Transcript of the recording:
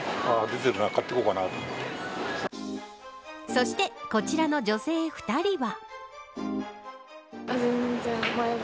そして、こちらの女性２人は。